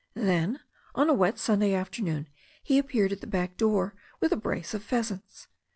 Then, on a wet Sunday afternoon, he appeared at the back door with a brace of pheasants.